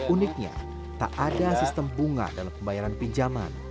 uniknya tak ada sistem bunga dalam pembayaran pinjaman